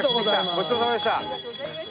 ごちそうさまでした。